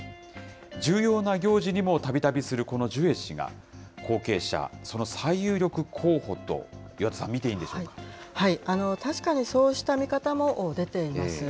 重要な行事にもたびたびする、このジュエ氏が後継者、その最有力候補と、岩田さん、確かに、そうした見方も出ています。